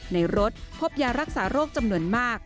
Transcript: ในรถพบยารักษาโรคจำนวนมาก